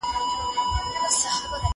زه مخکي مېوې راټولې کړي وې